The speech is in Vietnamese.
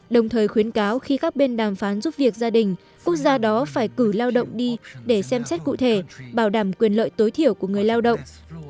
đồng thời khuyến cáo khi các bên đàm phán giúp việc gia đình quốc gia đó phải cử lao động đi để xem xét cụ thể bảo đảm quyền lợi tối thiểu của người lao động